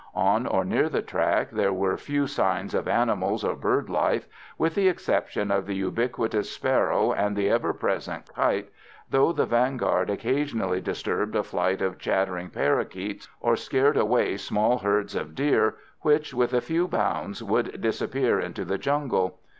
On or near the track there were few signs of animal or bird life, with the exception of the ubiquitous sparrow and the ever present kite, though the vanguard occasionally disturbed a flight of chattering parrakeets, or scared away small herds of deer, which, with a few bounds, would disappear into the jungle.